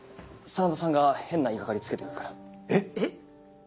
真田さんが変な言いがかりつけてくるから。